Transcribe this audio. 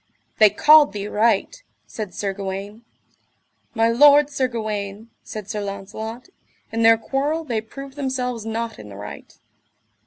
They called thee right, said Sir Gawaine. My lord Sir Gawaine, said Sir Launcelot, in their quarrel they proved themselves not in the right.